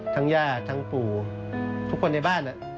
ทั้งญาติทั้งปู่ทุกคนในบ้านน่ะ